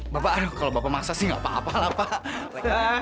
bapak aduh kalau bapak masak sih nggak apa apa lah pak